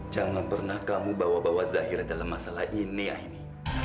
jangan pernah kamu bawa bawa zahira dalam masalah ini ya ini